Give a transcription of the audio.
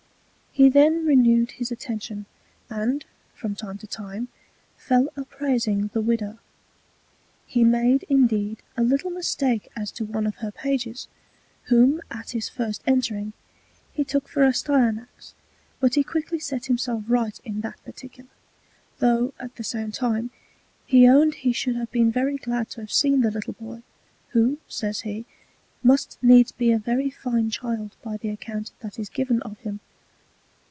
He then renewed his Attention, and, from time to time, fell a praising the Widow. He made, indeed, a little Mistake as to one of her Pages, whom at his first entering, he took for Astyanax; but he quickly set himself right in that Particular, though, at the same time, he owned he should have been very glad to have seen the little Boy, who, says he, must needs be a very fine Child by the Account that is given of him.